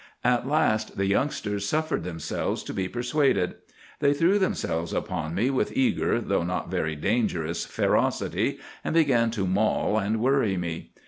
"'At last the youngsters suffered themselves to be persuaded. They threw themselves upon me with eager though not very dangerous ferocity, and began to maul and worry me.